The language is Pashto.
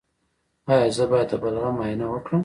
ایا زه باید د بلغم معاینه وکړم؟